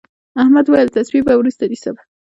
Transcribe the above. احمد وويل: تصمیم به وروسته نیسم.